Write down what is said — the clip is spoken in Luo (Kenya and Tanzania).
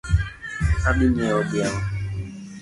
Adhi nyieo dhiang'